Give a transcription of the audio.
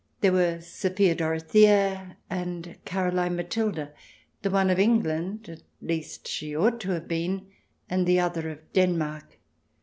There were Sophia Dorothea, and Caroline Matilda, the one of England — at least, she ought to have been — and the other of Denmark.